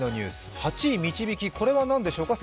８位、「みちびき」これは何でしょうか。